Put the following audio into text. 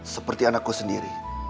seperti anakku sendiri